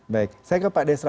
baik saya ke pak desra